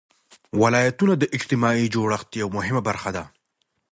ولایتونه د اجتماعي جوړښت یوه مهمه برخه ده.